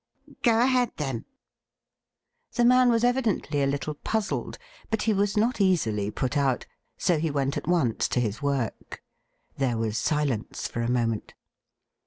' Go ahead, then.' The man was evidently a little puzzled, but he was not easily put out. So he went at once to his work. There was silence for a moment.